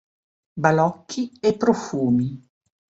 Balocchi e profumi